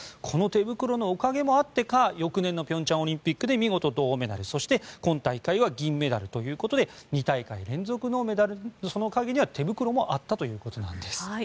この手袋のおかげもあってか翌年の平昌オリンピックで見事、銅メダルそして、今大会は銀メダルということで２大会連続のメダルの陰には手袋もあったということです。